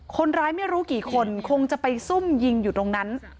คนร้ายไม่รู้กี่คนคงจะไปซุ่มยิงอยู่ตรงนั้น